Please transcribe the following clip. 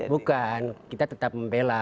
bukan kita tetap membela